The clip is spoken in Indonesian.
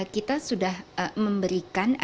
kita sudah memberikan